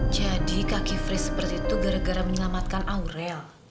jadi kaki fre seperti itu gara gara menyelamatkan aurel